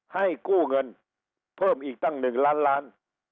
ให้กู้เงินเพิ่มอีกตั้ง๑ล้านล้าน